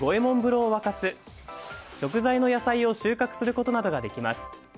呂を沸かす食材の野菜を収穫することなどができます。